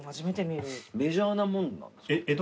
メジャーなもんなんですか？